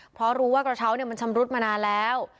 เพราะรู้ว่ากระเช้ามันชำรุดมานานแล้ว